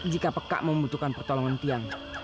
jika pekak membutuhkan pertolongan tiang